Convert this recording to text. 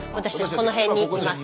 この辺にいます。